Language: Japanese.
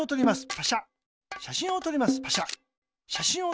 パシャ。